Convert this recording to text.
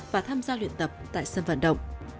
và tham gia luyện tập tại sân vận động